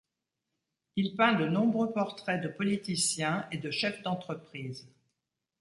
Il peint de nombreux portraits de politiciens et de chefs d'entreprise.